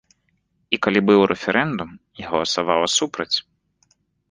І калі быў рэферэндум, я галасавала супраць.